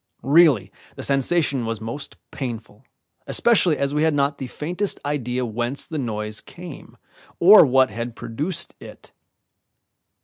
Really, the sensation was most painful, especially as we had not the faintest idea whence the noise came or what had produced it.